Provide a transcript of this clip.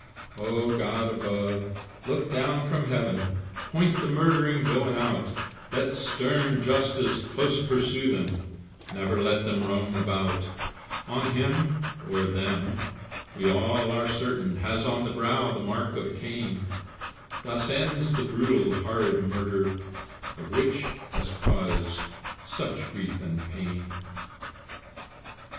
Oh, God above, look down from Heaven, Point the murdering villains out, Let stern justice close pursue them, Never let them roam about; On him, or them, we all are certain, Has on the brow the mark of Cain, Thus ends the brutal horrid murder, Which has caused such grief and pain.